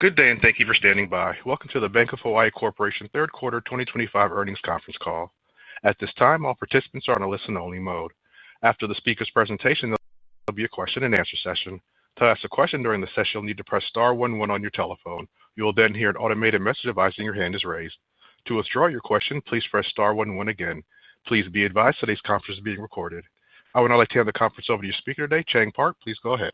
Good day and thank you for standing by. Welcome to the Bank of Hawaii Corporation third quarter 2025 earnings conference call. At this time, all participants are in a listen-only mode. After the speaker's presentation, there will be a question and answer session. To ask a question during the session, you'll need to press star one one on your telephone. You will then hear an automated message advising your hand is raised. To withdraw your question, please press star one one again. Please be advised today's conference is being recorded. I would now like to hand the conference over to your speaker today, Chang Park. Please go ahead.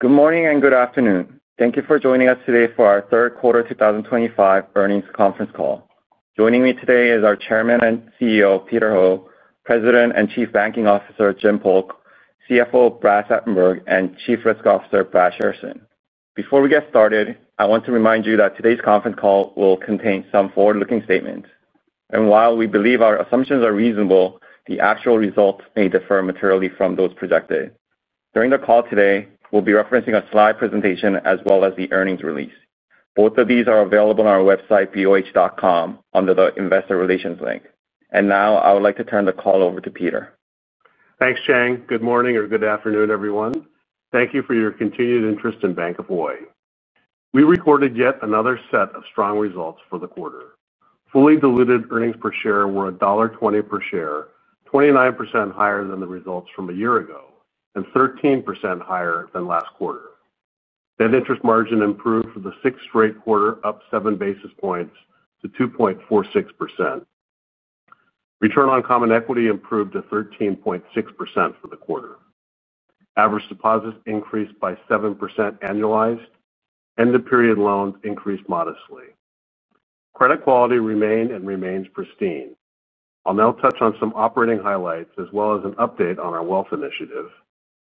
Good morning and good afternoon. Thank you for joining us today for our Third Quarter 2025 earnings conference call. Joining me today are our Chairman and CEO, Peter Ho, President and Chief Banking Officer, Jim Polk, CFO, Brad Satenberg, and Chief Risk Officer, Brad Shairson. Before we get started, I want to remind you that today's conference call will contain some forward-looking statements. While we believe our assumptions are reasonable, the actual results may differ materially from those projected. During the call today, we'll be referencing a slide presentation as well as the earnings release. Both of these are available on our website, boh.com, under the Investor Relations link. I would like to turn the call over to Peter. Thanks, Chang. Good morning or good afternoon, everyone. Thank you for your continued interest in Bank of Hawaii. We recorded yet another set of strong results for the quarter. Fully diluted earnings per share were $1.20 per share, 29% higher than the results from a year ago, and 13% higher than last quarter. Net interest margin improved for the sixth straight quarter, up seven basis points to 2.46%. Return on common equity improved to 13.6% for the quarter. Average deposits increased by 7% annualized. End-of-period loans increased modestly. Credit quality remained and remains pristine. I'll now touch on some operating highlights as well as an update on our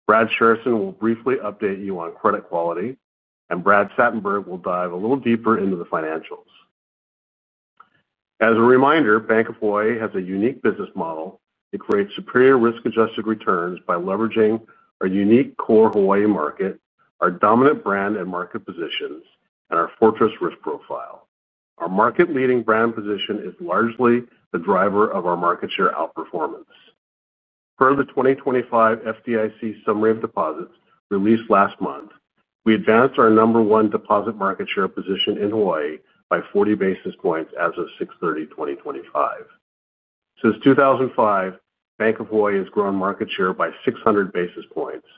wealth initiative. Brad Shairson will briefly update you on credit quality, and Brad Satenberg will dive a little deeper into the financials. As a reminder, Bank of Hawaii has a unique business model. It creates superior risk-adjusted returns by leveraging our unique core Hawaii market, our dominant brand and market positions, and our fortress risk profile. Our market-leading brand position is largely the driver of our market share outperformance. Per the 2025 FDIC summary of deposits released last month, we advanced our number one deposit market share position in Hawaii by 40 basis points as of 6/30/2025. Since 2005, Bank of Hawaii has grown market share by 600 basis points,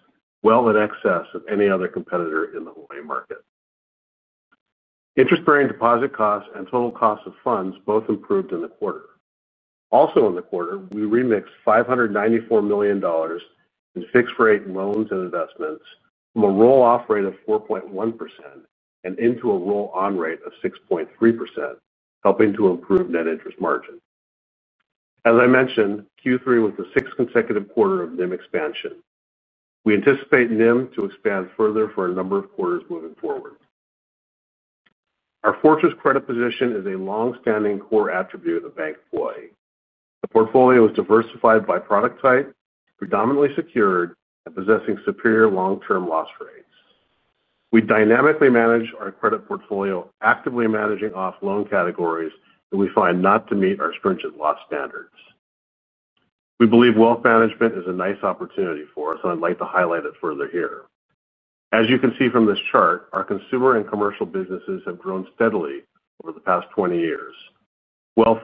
well in excess of any other competitor in the Hawaii market. Interest-bearing deposit costs and total cost of funds both improved in the quarter. Also in the quarter, we remixed $594 million in fixed-rate loans and investments from a roll-off rate of 4.1% and into a roll-on rate of 6.3%, helping to improve net interest margin. As I mentioned, Q3 was the sixth consecutive quarter of NIM expansion. We anticipate NIM to expand further for a number of quarters moving forward. Our fortress credit position is a longstanding core attribute of the Bank of Hawaii. The portfolio is diversified by product type, predominantly secured, and possessing superior long-term loss rates. We dynamically manage our credit portfolio, actively managing off loan categories that we find not to meet our stringent loss standards. We believe wealth management is a nice opportunity for us, and I'd like to highlight it further here. As you can see from this chart, our consumer and commercial businesses have grown steadily over the past 20 years. Wealth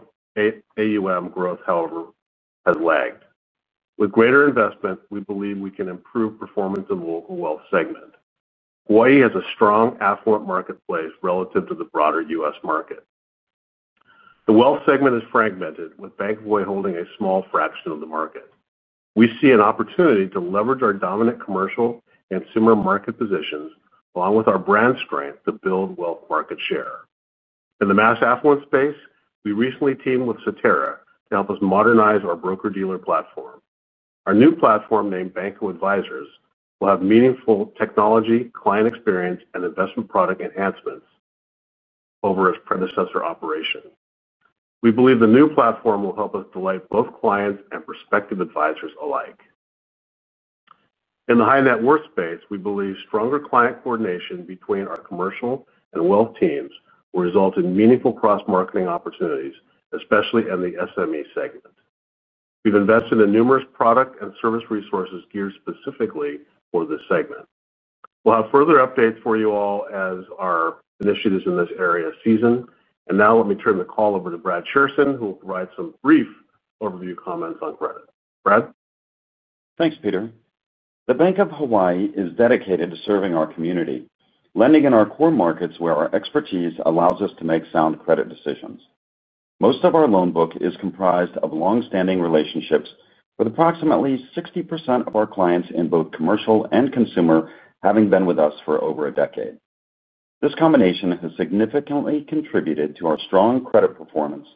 AUM growth, however, has lagged. With greater investment, we believe we can improve performance in the local wealth segment. Hawaii has a strong affluent marketplace relative to the broader U.S. market. The wealth segment is fragmented, with Bank of Hawaii holding a small fraction of the market. We see an opportunity to leverage our dominant commercial and consumer market positions, along with our brand strength, to build wealth market share. In the mass affluent space, we recently teamed with Saterra to help us modernize our broker-dealer platform. Our new platform, named Banco Advisors, will have meaningful technology, client experience, and investment product enhancements over its predecessor operation. We believe the new platform will help us delight both clients and prospective advisors alike. In the high-net-worth space, we believe stronger client coordination between our commercial and wealth teams will result in meaningful cross-marketing opportunities, especially in the SME segment. We've invested in numerous product and service resources geared specifically for this segment. We will have further updates for you all as our initiatives in this area season. Now, let me turn the call over to Brad Shairson, who will provide some brief overview comments on credit. Brad? Thanks, Peter. The Bank of Hawaii is dedicated to serving our community, lending in our core markets where our expertise allows us to make sound credit decisions. Most of our loan book is comprised of longstanding relationships, with approximately 60% of our clients in both commercial and consumer having been with us for over a decade. This combination has significantly contributed to our strong credit performance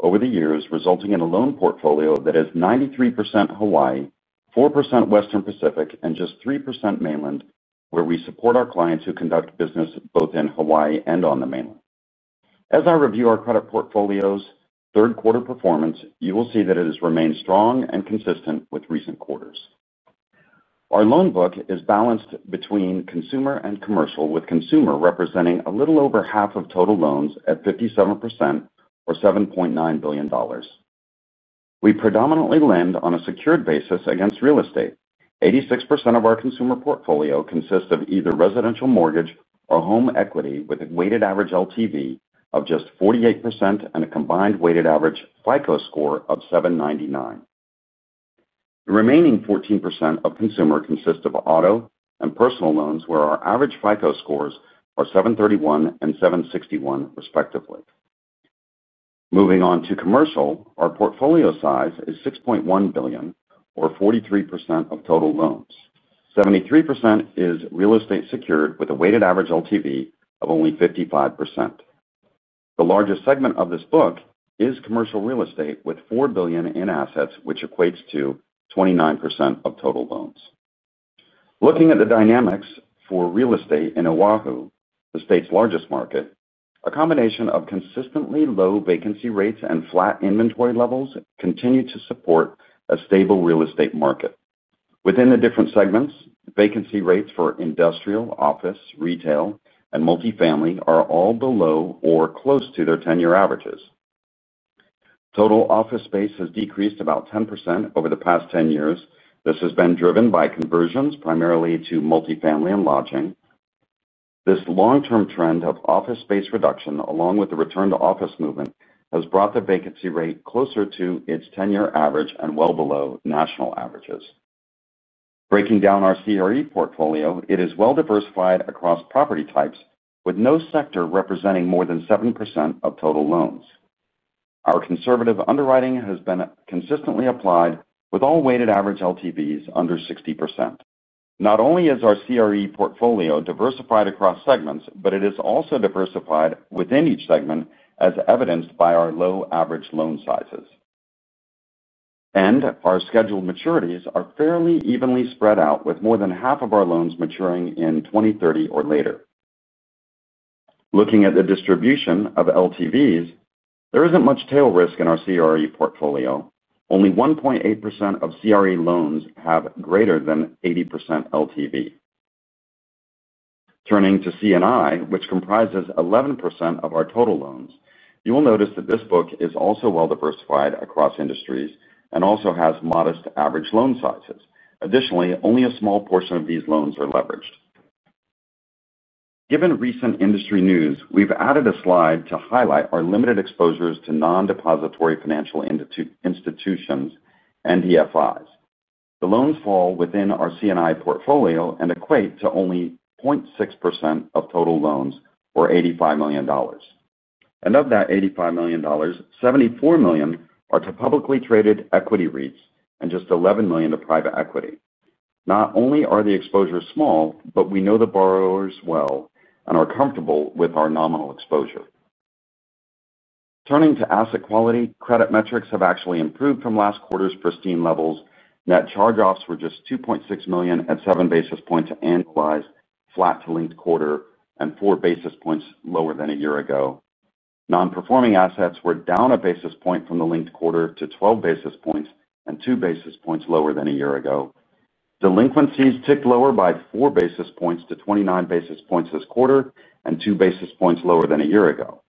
over the years, resulting in a loan portfolio that is 93% Hawaii, 4% Western Pacific, and just 3% Mainland, where we support our clients who conduct business both in Hawaii and on the mainland. As I review our credit portfolio's third quarter performance, you will see that it has remained strong and consistent with recent quarters. Our loan book is balanced between consumer and commercial, with consumer representing a little over half of total loans at 57% or $7.9 billion. We predominantly lend on a secured basis against real estate. 86% of our consumer portfolio consists of either residential mortgage or home equity, with a weighted average LTV of just 48% and a combined weighted average FICO score of 799. The remaining 14% of consumer consists of auto and personal loans, where our average FICO scores are 731 and 761, respectively. Moving on to commercial, our portfolio size is $6.1 billion, or 43% of total loans. 73% is real estate secured, with a weighted average LTV of only 55%. The largest segment of this book is commercial real estate, with $4 billion in assets, which equates to 29% of total loans. Looking at the dynamics for real estate in Oahu, the state's largest market, a combination of consistently low vacancy rates and flat inventory levels continue to support a stable real estate market. Within the different segments, vacancy rates for industrial, office, retail, and multifamily are all below or close to their 10-year averages. Total office space has decreased about 10% over the past 10 years. This has been driven by conversions, primarily to multifamily and lodging. This long-term trend of office space reduction, along with the return to office movement, has brought the vacancy rate closer to its 10-year average and well below national averages. Breaking down our CRE portfolio, it is well diversified across property types, with no sector representing more than 7% of total loans. Our conservative underwriting has been consistently applied, with all weighted average LTVs under 60%. Not only is our CRE portfolio diversified across segments, but it is also diversified within each segment, as evidenced by our low average loan sizes. Our scheduled maturities are fairly evenly spread out, with more than half of our loans maturing in 2030 or later. Looking at the distribution of LTVs, there isn't much tail risk in our CRE portfolio. Only 1.8% of CRE loans have greater than 80% LTV. Turning to CNI, which comprises 11% of our total loans, you will notice that this book is also well diversified across industries and also has modest average loan sizes. Additionally, only a small portion of these loans are leveraged. Given recent industry news, we've added a slide to highlight our limited exposures to non-depository financial institutions, NDFIs. The loans fall within our CNI portfolio and equate to only 0.6% of total loans, or $85 million. Of that $85 million, $74 million are to publicly traded equity REITs and just $11 million to private equity. Not only are the exposures small, but we know the borrowers well and are comfortable with our nominal exposure. Turning to asset quality, credit metrics have actually improved from last quarter's pristine levels. Net charge-offs were just $2.6 million at seven basis points annualized, flat to linked quarter, and four basis points lower than a year ago. Non-performing assets were down a basis point from the linked quarter to 12 basis points and two basis points lower than a year ago. Delinquencies ticked lower by four basis points to 29 basis points this quarter and two basis points lower than a year ago.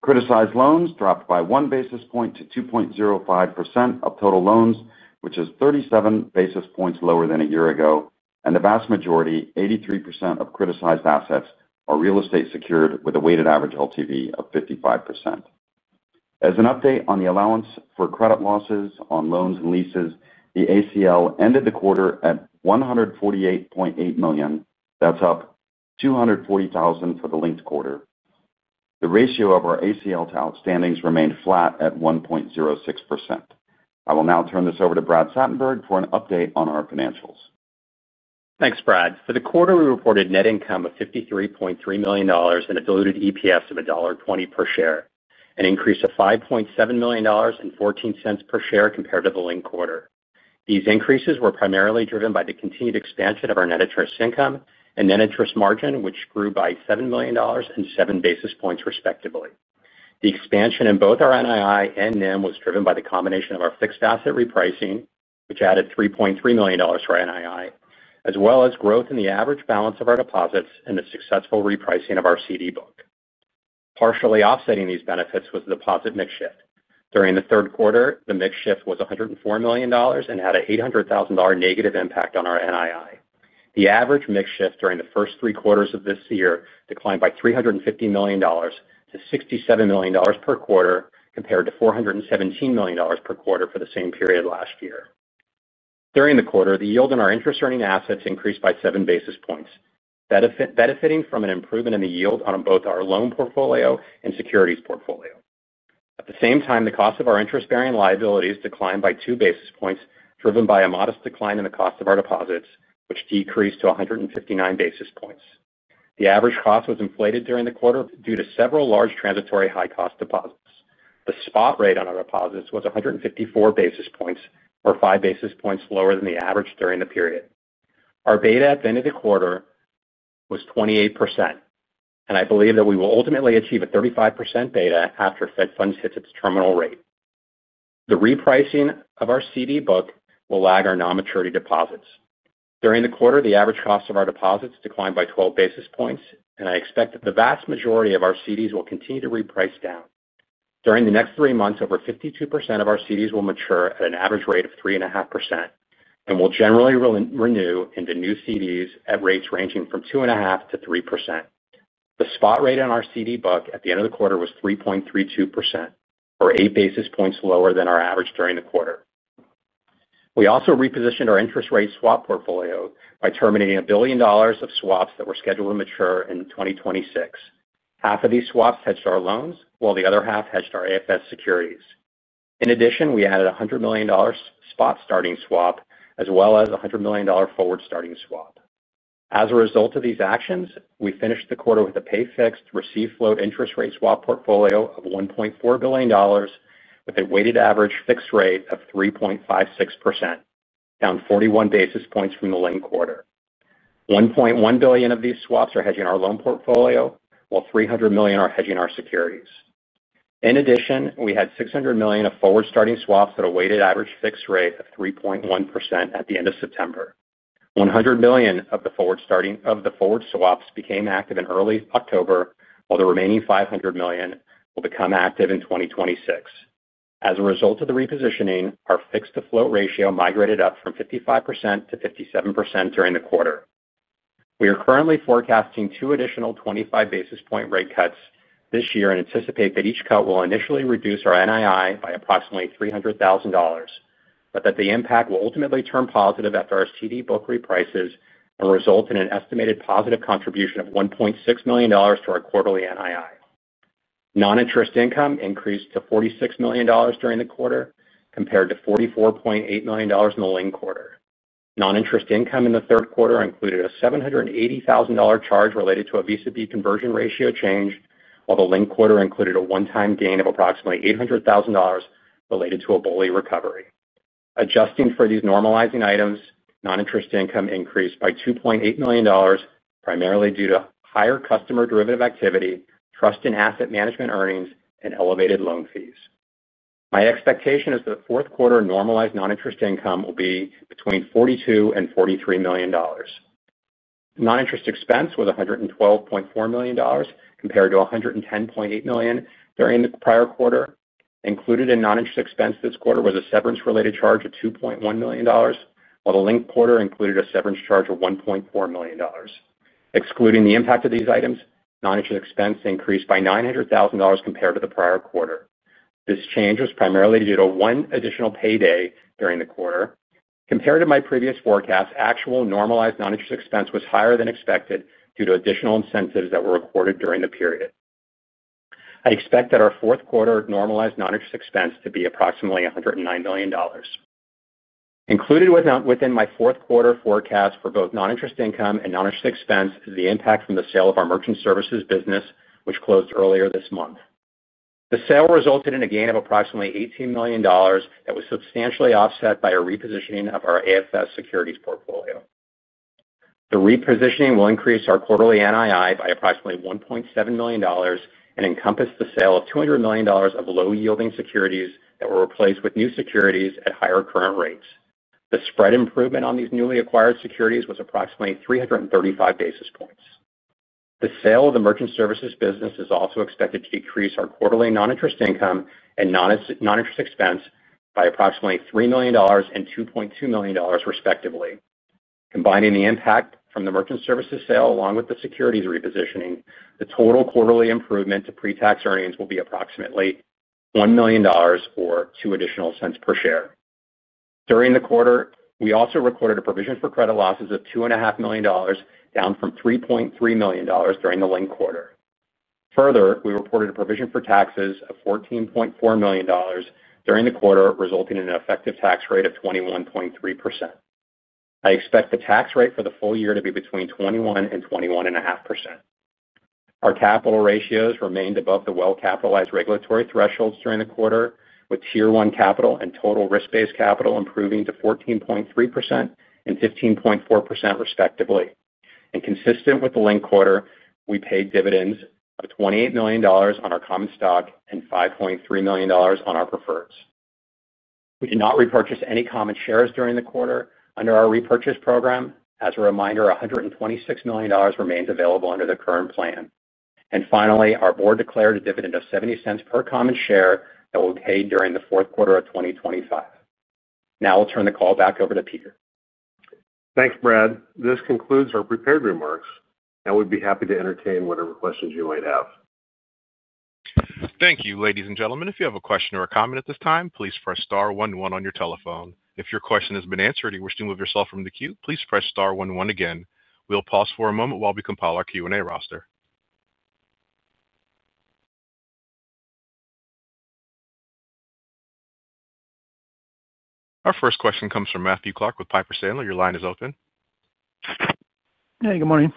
Criticized loans dropped by one basis point to 2.05% of total loans, which is 37 basis points lower than a year ago. The vast majority, 83% of criticized assets, are real estate secured, with a weighted average LTV of 55%. As an update on the allowance for credit losses on loans and leases, the ACL ended the quarter at $148.8 million. That's up $240,000 for the linked quarter. The ratio of our ACL to outstandings remained flat at 1.06%. I will now turn this over to Brad Satenberg for an update on our financials. Thanks, Brad. For the quarter, we reported net income of $53.3 million and a diluted EPS of $1.20 per share, an increase of $5.7 million and $0.14 per share compared to the linked quarter. These increases were primarily driven by the continued expansion of our net interest income and net interest margin, which grew by $7 million and 7 basis points, respectively. The expansion in both our NII and NIM was driven by the combination of our fixed asset repricing, which added $3.3 million to our NII, as well as growth in the average balance of our deposits and the successful repricing of our certificates of deposit book. Partially offsetting these benefits was the deposit mix shift. During the third quarter, the mix shift was $104 million and had an $800,000 negative impact on our NII. The average mix shift during the first three quarters of this year declined by $350 million to $67 million per quarter, compared to $417 million per quarter for the same period last year. During the quarter, the yield on our interest-earning assets increased by 7 basis points, benefiting from an improvement in the yield on both our loan portfolio and securities portfolio. At the same time, the cost of our interest-bearing liabilities declined by 2 basis points, driven by a modest decline in the cost of our deposits, which decreased to 159 basis points. The average cost was inflated during the quarter due to several large transitory high-cost deposits. The spot rate on our deposits was 154 basis points, or 5 basis points lower than the average during the period. Our beta at the end of the quarter was 28%, and I believe that we will ultimately achieve a 35% beta after Fed Funds hits its terminal rate. The repricing of our certificates of deposit book will lag our non-maturity deposits. During the quarter, the average cost of our deposits declined by 12 basis points, and I expect that the vast majority of our certificates of deposit will continue to reprice down. During the next three months, over 52% of our certificates of deposit will mature at an average rate of 3.5% and will generally renew into new certificates of deposit at rates ranging from 2.5%-3%. The spot rate on our certificates of deposit book at the end of the quarter was 3.32%, or 8 basis points lower than our average during the quarter. We also repositioned our interest rate swap portfolio by terminating $1 billion of swaps that were scheduled to mature in 2026. Half of these swaps hedged our loans, while the other half hedged our AFS securities. In addition, we added a $100 million spot starting swap, as well as a $100 million forward starting swap. As a result of these actions, we finished the quarter with a pay-fixed, receive-float interest rate swap portfolio of $1.4 billion, with a weighted average fixed rate of 3.56%, down 41 basis points from the linked quarter. $1.1 billion of these swaps are hedging our loan portfolio, while $300 million are hedging our securities. In addition, we had $600 million of forward starting swaps at a weighted average fixed rate of 3.1% at the end of September. $100 million of the forward swaps became active in early October, while the remaining $500 million will become active in 2026. As a result of the repositioning, our fixed-to-float ratio migrated up from 55% to 57% during the quarter. We are currently forecasting two additional 25 basis point rate cuts this year and anticipate that each cut will initially reduce our NII by approximately $300,000, but that the impact will ultimately turn positive after our CD book reprices and result in an estimated positive contribution of $1.6 million to our quarterly NII. Noninterest income increased to $46 million during the quarter, compared to $44.8 million in the linked quarter. Noninterest income in the third quarter included a $780,000 charge related to a Visa B conversion ratio change, while the linked quarter included a one-time gain of approximately $800,000 related to a BOLI recovery. Adjusting for these normalizing items, noninterest income increased by $2.8 million, primarily due to higher customer derivative activity, trust and asset management earnings, and elevated loan fees. My expectation is that the fourth quarter normalized noninterest income will be between $42 million and $43 million. Noninterest expense was $112.4 million compared to $110.8 million during the prior quarter. Included in noninterest expense this quarter was a severance-related charge of $2.1 million, while the linked quarter included a severance charge of $1.4 million. Excluding the impact of these items, noninterest expense increased by $900,000 compared to the prior quarter. This change was primarily due to one additional payday during the quarter. Compared to my previous forecast, actual normalized noninterest expense was higher than expected due to additional incentives that were recorded during the period. I expect that our fourth quarter normalized noninterest expense to be approximately $109 million. Included within my fourth quarter forecast for both noninterest income and noninterest expense is the impact from the sale of our merchant services business, which closed earlier this month. The sale resulted in a gain of approximately $18 million that was substantially offset by a repositioning of our AFS securities portfolio. The repositioning will increase our quarterly NII by approximately $1.7 million and encompass the sale of $200 million of low-yielding securities that were replaced with new securities at higher current rates. The spread improvement on these newly acquired securities was approximately 335 basis points. The sale of the merchant services business is also expected to decrease our quarterly noninterest income and noninterest expense by approximately $3 million and $2.2 million, respectively. Combining the impact from the merchant services sale along with the securities repositioning, the total quarterly improvement to pre-tax earnings will be approximately $1 million or two additional cents per share. During the quarter, we also recorded a provision for credit losses of $2.5 million, down from $3.3 million during the linked quarter. Further, we reported a provision for taxes of $14.4 million during the quarter, resulting in an effective tax rate of 21.3%. I expect the tax rate for the full year to be between 21% and 21.5%. Our capital ratios remained above the well-capitalized regulatory thresholds during the quarter, with tier one capital and total risk-based capital improving to 14.3% and 15.4%, respectively. Consistent with the linked quarter, we paid dividends of $28 million on our common stock and $5.3 million on our preferreds. We did not repurchase any common shares during the quarter under our repurchase program. As a reminder, $126 million remains available under the current plan. Finally, our board declared a dividend of $0.70 per common share that will be paid during the fourth quarter of 2025. Now, I'll turn the call back over to Peter. Thanks, Brad. This concludes our prepared remarks. Now, we'd be happy to entertain whatever questions you might have. Thank you, ladies and gentlemen. If you have a question or a comment at this time, please press star one one on your telephone. If your question has been answered and you wish to move yourself from the queue, please press star one one again. We'll pause for a moment while we compile our Q&A roster. Our first question comes from Matthew Clark with Piper Sandler. Your line is open. Hey, good morning.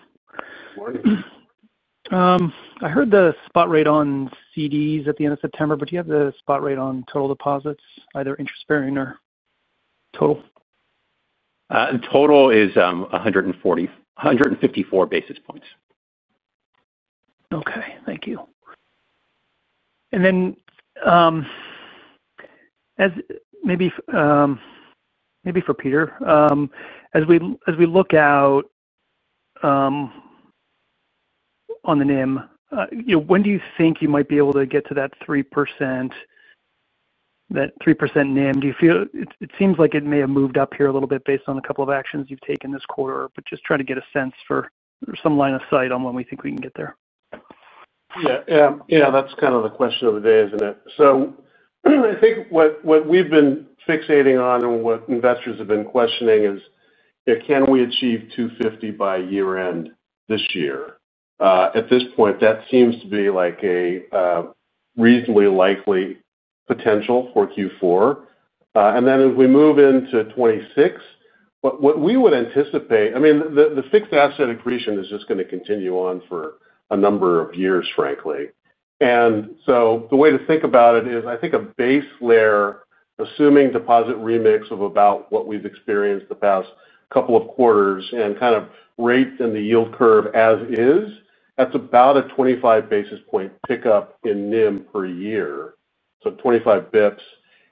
I heard the spot rate on certificates of deposit at the end of September, but do you have the spot rate on total deposits, either interest-bearing or total? Total is 154 basis points. Thank you. As maybe for Peter, as we look out on the NIM, when do you think you might be able to get to that 3% NIM? Do you feel it seems like it may have moved up here a little bit based on a couple of actions you've taken this quarter, just trying to get a sense for some line of sight on when we think we can get there. Yeah, that's kind of the question of the day. I think what we've been fixating on and what investors have been questioning is, you know, can we achieve $250 by year-end this year? At this point, that seems to be like a reasonably likely potential for Q4. As we move into 2026, what we would anticipate, I mean, the fixed asset accretion is just going to continue on for a number of years, frankly. The way to think about it is, I think a base layer, assuming deposit remix of about what we've experienced the past couple of quarters and kind of rate in the yield curve as is, that's about a 25 basis point pickup in NIM per year, so 25 bps.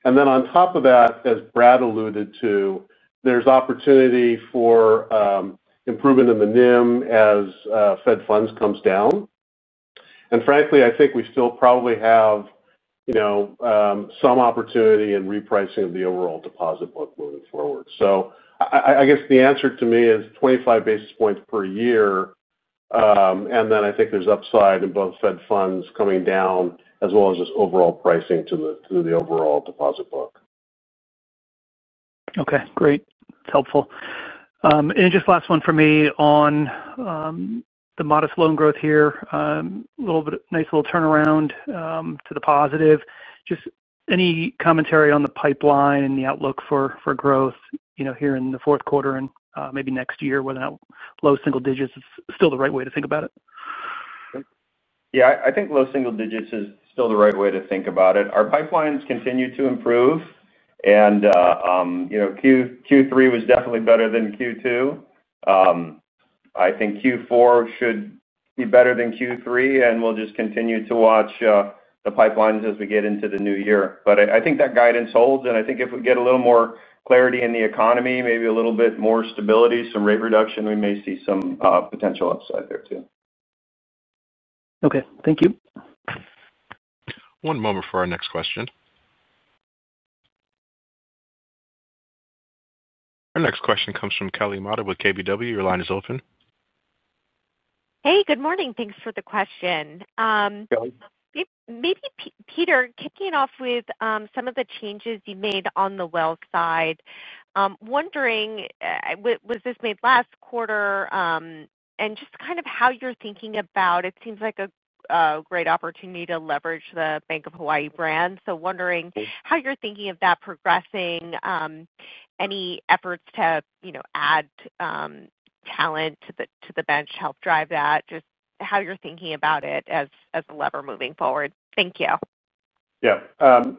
On top of that, as Brad Satenberg alluded to, there's opportunity for improvement in the NIM as fed funds comes down. Frankly, I think we still probably have some opportunity in repricing of the overall deposit book moving forward. I guess the answer to me is 25 basis points per year, and then I think there's upside in both fed funds coming down as well as just overall pricing to the overall deposit book. Okay. Great. That's helpful. Just last one from me on the modest loan growth here, a little bit nice little turnaround to the positive. Just any commentary on the pipeline and the outlook for growth here in the fourth quarter and maybe next year, whether or not low single digits is still the right way to think about it? Okay. Yeah. I think low single digits is still the right way to think about it. Our pipelines continue to improve, and you know Q3 was definitely better than Q2. I think Q4 should be better than Q3, and we'll just continue to watch the pipelines as we get into the new year. I think that guidance holds, and I think if we get a little more clarity in the economy, maybe a little bit more stability, some rate reduction, we may see some potential upside there too. Okay, thank you. One moment for our next question. Our next question comes from Kelly Motta with KBW. Your line is open. Hey, good morning. Thanks for the question. Maybe Peter, kicking off with some of the changes you made on the wealth side, wondering was this made last quarter and just how you're thinking about it. It seems like a great opportunity to leverage the Bank of Hawaii brand. Wondering how you're thinking of that progressing, any efforts to add talent to the bench to help drive that, just how you're thinking about it as a lever moving forward. Thank you. Yeah.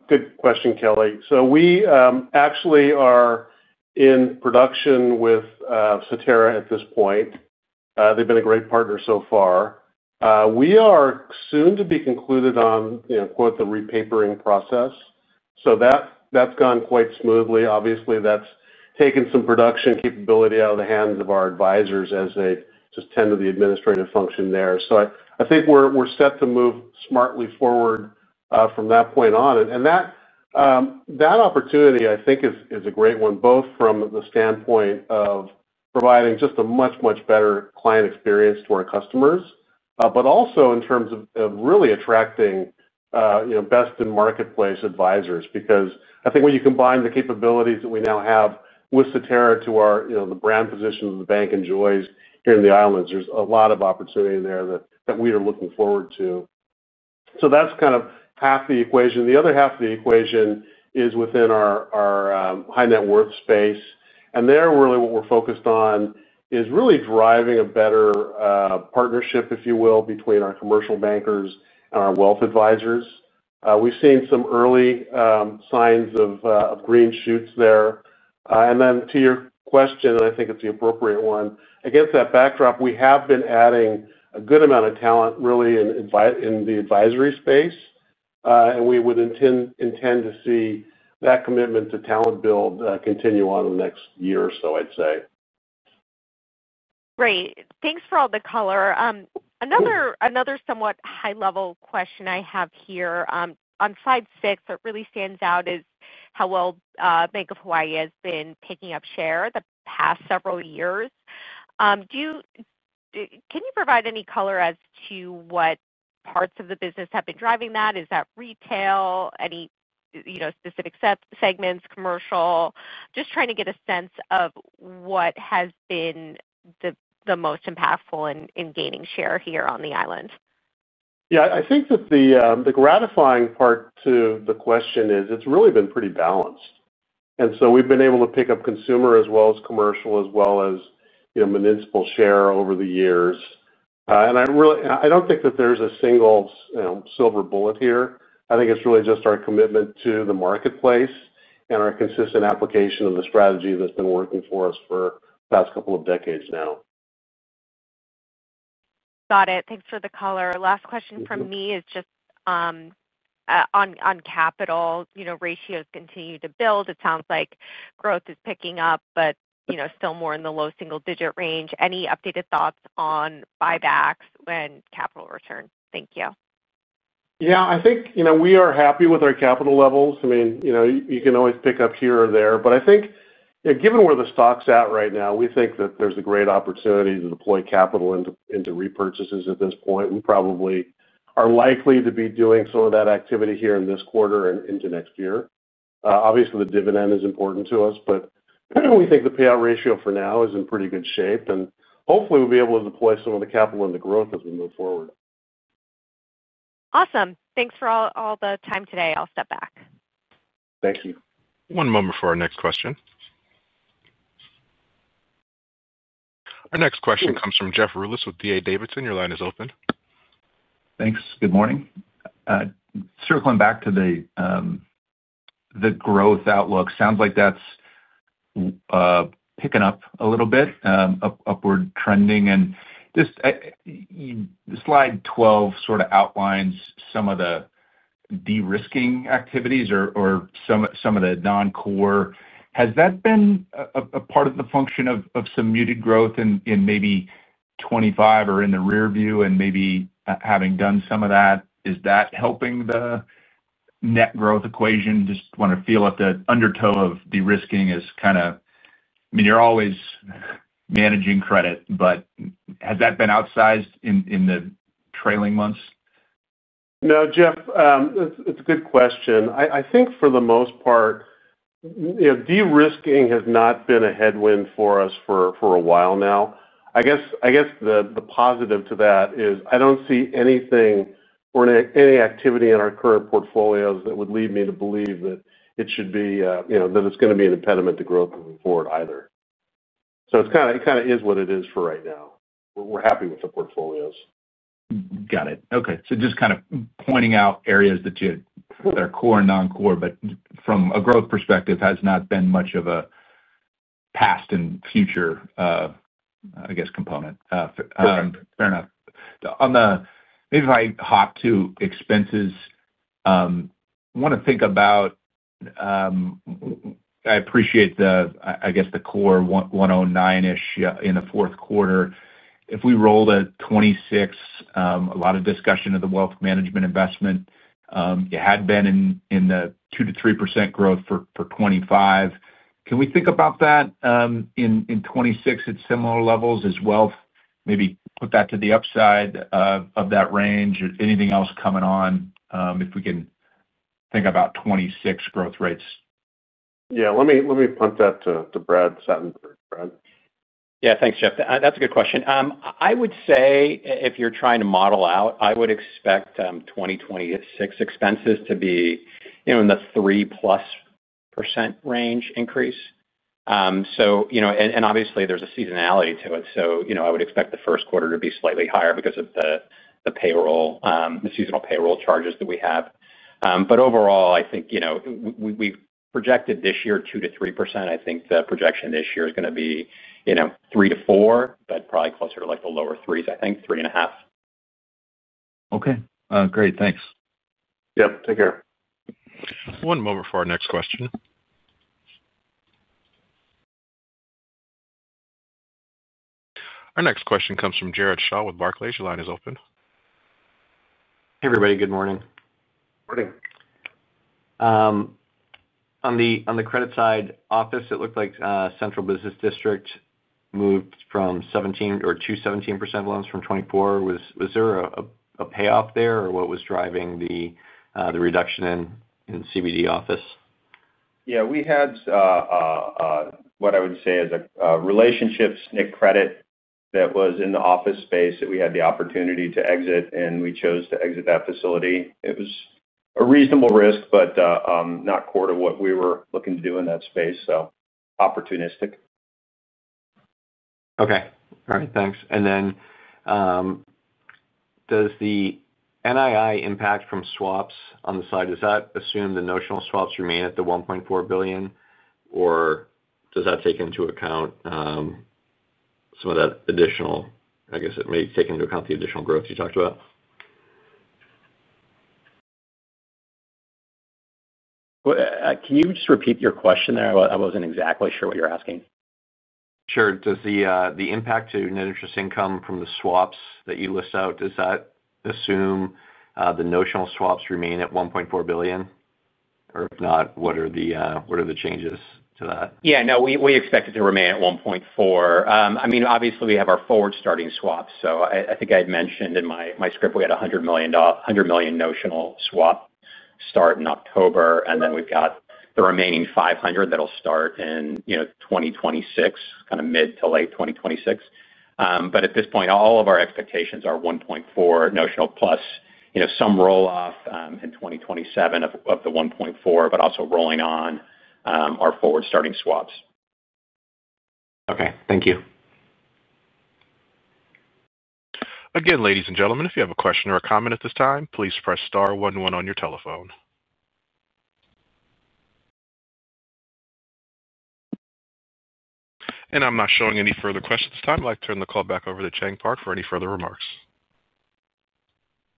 Good question, Kelly. We actually are in production with Saterra at this point. They've been a great partner so far. We are soon to be concluded on, you know, the repapering process. That's gone quite smoothly. Obviously, that's taken some production capability out of the hands of our advisors as they just tend to the administrative function there. I think we're set to move smartly forward from that point on. That opportunity, I think, is a great one, both from the standpoint of providing just a much, much better client experience to our customers, but also in terms of really attracting, you know, best-in-marketplace advisors. I think when you combine the capabilities that we now have with Saterra to our, you know, the brand position that the bank enjoys here in the islands, there's a lot of opportunity there that we are looking forward to. That's kind of half the equation. The other half of the equation is within our high-net-worth space. There, what we're focused on is really driving a better partnership, if you will, between our commercial bankers and our wealth advisors. We've seen some early signs of green shoots there. To your question, and I think it's the appropriate one, against that backdrop, we have been adding a good amount of talent really in the advisory space. We would intend to see that commitment to talent build continue on in the next year or so, I'd say. Great. Thanks for all the color. Another somewhat high-level question I have here. On slide six, what really stands out is how well Bank of Hawaii has been picking up share the past several years. Can you provide any color as to what parts of the business have been driving that? Is that retail? Any specific segments, commercial? Just trying to get a sense of what has been the most impactful in gaining share here on the island. I think that the gratifying part to the question is it's really been pretty balanced. We've been able to pick up consumer as well as commercial as well as municipal share over the years. I really don't think that there's a single silver bullet here. I think it's really just our commitment to the marketplace and our consistent application of the strategy that's been working for us for the past couple of decades now. Got it. Thanks for the color. Last question from me is just on capital. Ratio has continued to build. It sounds like growth is picking up, but you know still more in the low single-digit range. Any updated thoughts on buybacks when capital return? Thank you. Yeah. I think we are happy with our capital levels. I mean, you can always pick up here or there. I think, given where the stock's at right now, we think that there's a great opportunity to deploy capital into repurchases at this point. We probably are likely to be doing some of that activity here in this quarter and into next year. Obviously, the dividend is important to us, but we think the payout ratio for now is in pretty good shape. Hopefully, we'll be able to deploy some of the capital into growth as we move forward. Awesome. Thanks for all the time today. I'll step back. Thank you. One moment for our next question. Our next question comes from Jeff Rulis with D.A. Davidson. Your line is open. Thanks. Good morning. Circling back to the growth outlook, sounds like that's picking up a little bit, upward trending. You slide 12 sort of outlines some of the de-risking activities or some of the non-core. Has that been a part of the function of some muted growth in maybe 2025 or in the rearview? Maybe having done some of that, is that helping the net growth equation? Just want to feel if the undertow of de-risking is kind of, I mean, you're always managing credit, but has that been outsized in the trailing months? No, Jeff. It's a good question. I think for the most part, de-risking has not been a headwind for us for a while now. The positive to that is I don't see anything or any activity in our current portfolios that would lead me to believe that it's going to be an impediment to growth moving forward either. It kind of is what it is for right now. We're happy with the portfolios. Got it. Okay. Just kind of pointing out areas that are core and non-core, but from a growth perspective, has not been much of a past and future, I guess, component. Fair enough. Maybe if I hop to expenses, I want to think about, I appreciate the, I guess, the core $109 million-ish in the fourth quarter. If we roll to 2026, a lot of discussion of the wealth management investment. It had been in the 2%-3% growth for 2025. Can we think about that in 2026 at similar levels as well, maybe put that to the upside of that range? Anything else coming on if we can think about 2026 growth rates? Let me punt that to Brad Satenberg. Brad. Yeah. Thanks, Jeff. That's a good question. I would say if you're trying to model out, I would expect 2026 expenses to be in the 3+% range increase. I would expect the first quarter to be slightly higher because of the seasonal payroll charges that we have. Overall, I think we projected this year 2%-3%. I think the projection this year is going to be 3%-4%, but probably closer to like the lower 3%s, I think, 3.5%. Okay, great. Thanks. Yep. Take care. Okay. One moment for our next question. Our next question comes from Jared Shaw with Barclays. Your line is open. Hey, everybody. Good morning. Morning. On the credit side, office, it looked like Central Business District moved from 24% to 17% loans. Was there a payoff there, or what was driving the reduction in CBD office? Yeah. We had what I would say is a relationship SNC credit that was in the office space that we had the opportunity to exit, and we chose to exit that facility. It was a reasonable risk, but not core to what we were looking to do in that space, so opportunistic. Okay. All right. Thanks. Does the NII impact from swaps on the side assume the notional swaps remain at the $1.4 billion, or does that take into account some of that additional, I guess it may take into account the additional growth you talked about? Can you just repeat your question? I wasn't exactly sure what you're asking. Sure. Does the impact to net interest income from the swaps that you list out, does that assume the notional swaps remain at $1.4 billion? If not, what are the changes to that? Yeah. No, we expect it to remain at $1.4 billion. I mean, obviously, we have our forward starting swaps. I think I had mentioned in my script we had a $100 million notional swap start in October, and then we've got the remaining $500 million that'll start in, you know, 2026, kind of mid to late 2026. At this point, all of our expectations are $1.4 billion notional plus, you know, some rolloff in 2027 of the $1.4 billion, but also rolling on our forward starting swaps. Okay, thank you. Again, ladies and gentlemen, if you have a question or a comment at this time, please press star one one on your telephone. I'm not showing any further questions at this time. I'd like to turn the call back over to Chang Park for any further remarks.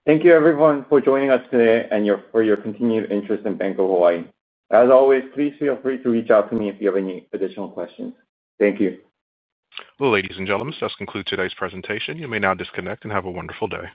Thank you, everyone, for joining us today and for your continued interest in Bank of Hawaii. As always, please feel free to reach out to me if you have any additional questions. Thank you. Ladies and gentlemen, this does conclude today's presentation. You may now disconnect and have a wonderful day.